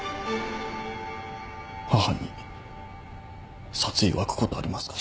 母に殺意湧くことありますから。